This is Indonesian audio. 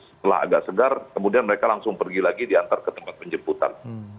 setelah agak segar kemudian mereka langsung pergi lagi diantar ke tempat penjemputan